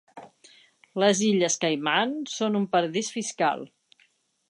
Les Illes Caiman són un paradís fiscal.